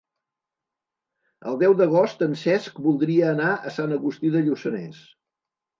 El deu d'agost en Cesc voldria anar a Sant Agustí de Lluçanès.